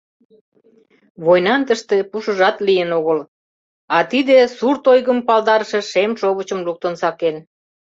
Войнан тыште пушыжат лийын огыл, а тиде сурт ойгым палдарыше шем шовычым луктын сакен.